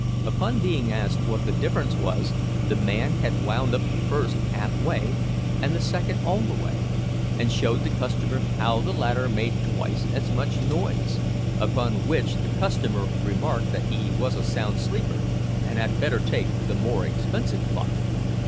Upon being asked what the difference was, the man had wound up the first halfway and the second all the way, and showed the customer how the latter made twice as much noise; upon which the customer remarked that he was a sound sleeper, and had better take the more expensive clock!